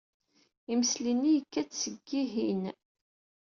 Imesli-nni yekka-d seg-ihin.